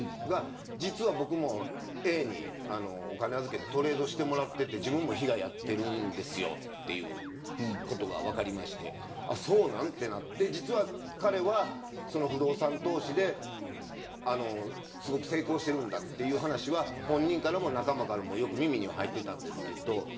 実は僕もＡにお金を預けてトレードしてもらって自分も被害に遭っているんですということが分かりまして彼は不動産投資ですごく成功しているという話は本人からも仲間からもよく耳に入っていました。